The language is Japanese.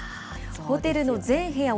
ホテルの全部屋